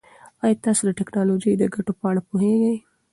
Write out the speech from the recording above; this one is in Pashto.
ایا تاسو د ټکنالوژۍ د ګټو په اړه پوهېږئ؟